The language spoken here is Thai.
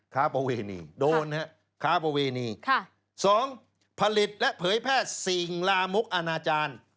ค้าโปเวนีโดนครับค้าโปเวนีสองผลิตและเผยแพร่สิ่งลามุกอาณาจารย์